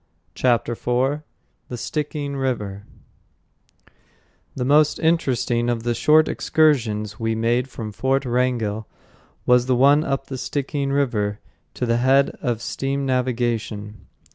Chapter IV The Stickeen River The most interesting of the short excursions we made from Fort Wrangell was the one up the Stickeen River to the head of steam navigation.